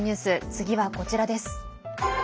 次はこちらです。